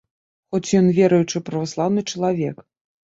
Хоць ён веруючы праваслаўны чалавек.